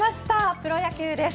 プロ野球です。